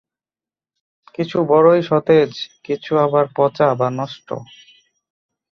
কিছু বড়ই সতেজ কিছু আবার পচা বা নষ্ট।